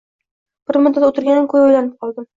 Bir muddat o`tirganim ko`yi o`ylanib qoldim